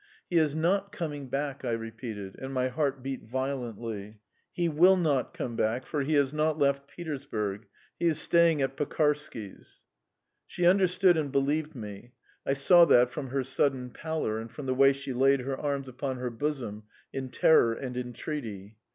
"He is not coming back," I repeated, and my heart beat violently. "He will not come back, for he has not left Petersburg. He is staying at Pekarsky's." She understood and believed me I saw that from her sudden pallor, and from the way she laid her arms upon her bosom in terror and entreaty.